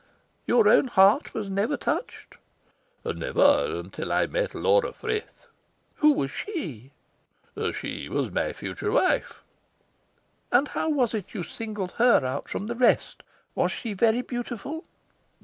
"Your own heart was never touched?" "Never, until I met Laura Frith." "Who was she?" "She was my future wife." "And how was it you singled her out from the rest? Was she very beautiful?"